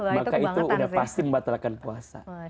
maka itu udah pasti membatalkan puasa